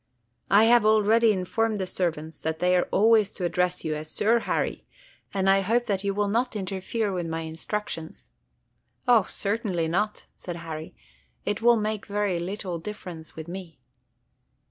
I have already informed the servants that they are always to address you as Sir Harry, and I hope that you will not interfere with my instructions." "O certainly not," said Harry. "It will make very little difference with me."